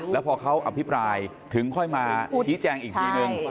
แล้วพอเขาอภิปรายถึงค่อยมาชี้แจงอีกทีนึง